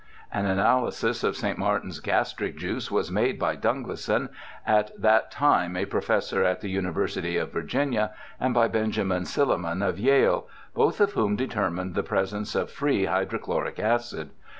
An analysis of St. Martin's gastric juice was made by Dunglison, at that time a professor in the University of Virginia, and by Ben jamin Silliman of Yale, both of whom determined the presence of free hydrochloric acid.